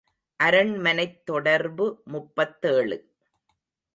அரண்மனைத் தொடர்பு முப்பத்தேழு.